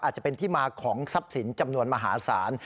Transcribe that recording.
อาจจะเป็นที่มาของทรัพย์สินจำนวนมหาศาล